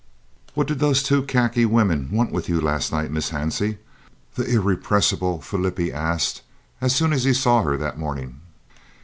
"What did those two khaki women want with you last night, Miss Hansie?" the irrepressible Flippie asked as soon as he saw her that morning.